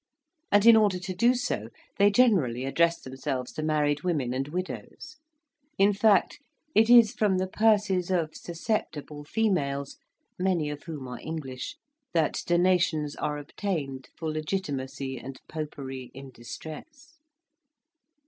and, in order to do so, they generally address themselves to married women and widows: in fact, it is from the purses of susceptible females, many of whom are English, that donations are obtained for legitimacy and Popery in distress.